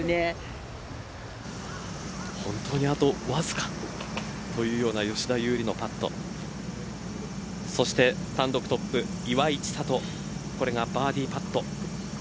本当に、あとわずかというような吉田優利のパットそして単独トップ岩井千怜これがバーディーパット。